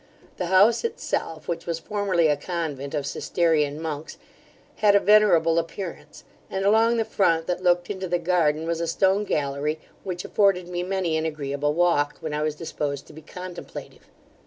The house itself, which was formerly a convent of Cistercian monks, had a venerable appearance: and along the front that looked into the garden, was a stone gallery, which afforded me many an agreeable walk, when I was disposed to be contemplative.